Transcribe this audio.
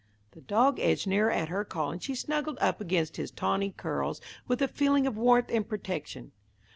The dog edged nearer at her call, and she snuggled up against his tawny curls with a feeling of warmth and protection.